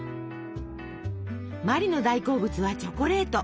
茉莉の大好物はチョコレート。